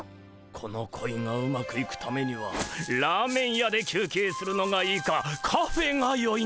この恋がうまくいくためにはラーメン屋で休憩するのがいいかカフェがよいのか。